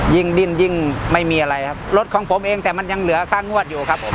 ยิ่งดิ้นยิ่งไม่มีอะไรครับรถของผมเองแต่มันยังเหลือค่างวดอยู่ครับผม